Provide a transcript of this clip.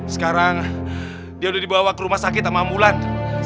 sekarang dia sudah dibawa ke rumah sakit sama amulan